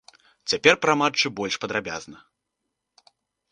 Цяпер пра матчы больш падрабязна.